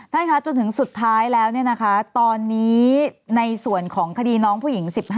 ท่านคะจนถึงสุดท้ายแล้วตอนนี้ในส่วนของคดีน้องผู้หญิง๑๕